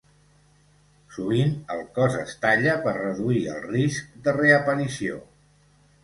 Sovint, el cos es talla per reduir el risc de reaparició.